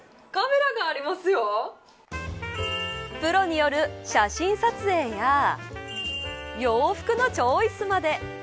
プロによる写真撮影や洋服のチョイスまで。